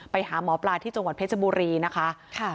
ไปหาหมอปลาที่จังหวัดเพชรบุรีนะคะ